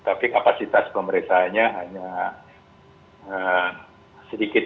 tapi kapasitas pemeriksaannya hanya sedikit